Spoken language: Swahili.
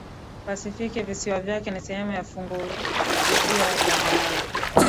PasifikiVisiwa vyake ni sehemu ya Funguvisiwa la Malay